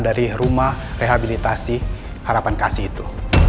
dari rumah rehabilitasi harapan kasih itu